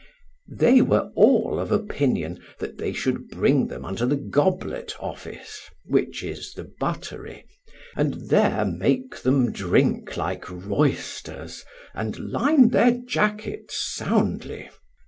They were all of opinion that they should bring them unto the goblet office, which is the buttery, and there make them drink like roysters and line their jackets soundly.